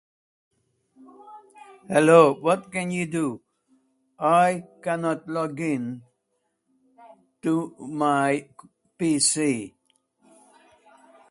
Aside from its firepower, a battleship's defining feature is its armor.